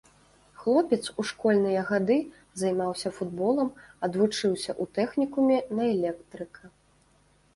Хлопец у школьныя гады займаўся футболам, адвучыўся ў тэхнікуме на электрыка.